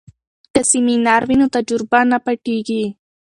که سمینار وي نو تجربه نه پټیږي.